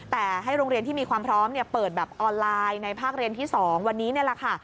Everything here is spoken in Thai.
แต่ให้โรงเรียนที่มีความพร้อมเปิดแบบออนไลน์ในภาคเรียนที่๒วันนี้นี่แหละค่ะ